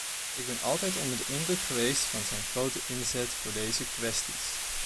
Ik ben altijd onder de indruk geweest van zijn grote inzet voor deze kwesties.